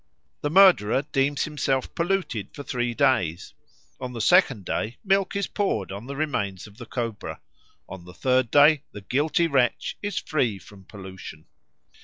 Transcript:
The murderer deems himself polluted for three days. On the second day milk is poured on the remains of the cobra. On the third day the guilty wretch is free from pollution.